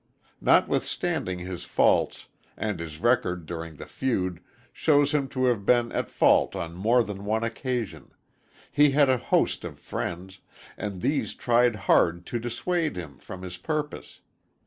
Notwithstanding his faults, and his record during the feud shows him to have been at fault on more than one occasion, he had a host of friends, and these tried hard to dissuade him from his purpose.